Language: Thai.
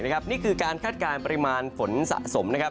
นี่คือการคาดการณ์ปริมาณฝนสะสมนะครับ